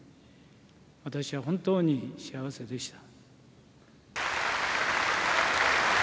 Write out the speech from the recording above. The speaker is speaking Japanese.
私は本当に幸せでした。